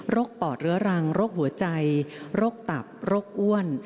ปอดเรื้อรังโรคหัวใจโรคตับโรคอ้วน